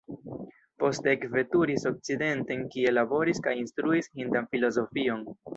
Poste ekveturis okcidenten kie laboris kaj instruis hindan filozofion.